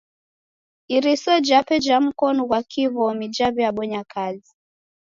Iriso jape ja mkonu ghwa kiw'omi jaw'iabonya kazi.